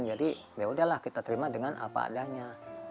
jadi yaudahlah kita terima dengan apa adanya